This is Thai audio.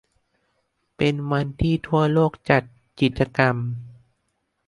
เป็นวันที่ทั่วโลกจัดกิจกรรม